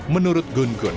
menurut gun gun